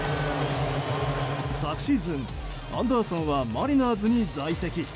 昨シーズン、アンダーソンはマリナーズに在籍。